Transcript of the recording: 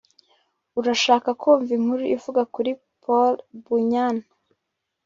urashaka kumva inkuru ivuga kuri paul bunyan